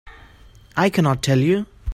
I cannot tell you.